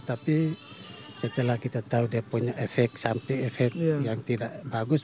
tapi setelah kita tahu dia punya efek sampai efek yang tidak bagus